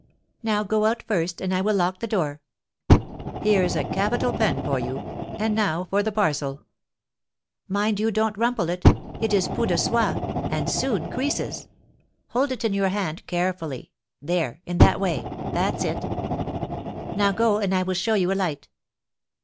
Now go out first, and I will lock the door." "Here's a capital pen for you; and now for the parcel." "Mind you don't rumple it; it is pout de soie, and soon creases. Hold it in your hand, carefully, there, in that way; that's it. Now go, and I will show you a light."